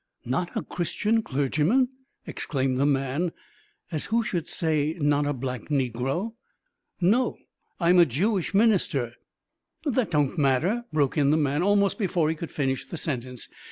"Not a Christian clergyman!" exclaimed the man, as who should say "not a black negro!" "No I am a Jewish minister." "That don't matter," broke in the man, almost before he could finish the sentence.